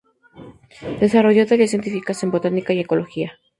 Desarrolló tareas científicas en Botánica y en Ecología.